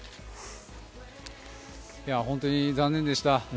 本当に残念でした。